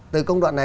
từ công đoạn này